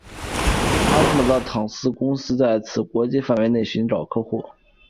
阿姆斯特朗公司为此在国际范围内寻找客户。